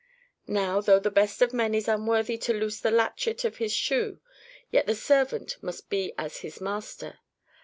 Now, though the best of men is unworthy to loose the latchet of His shoe, yet the servant must be as his Master.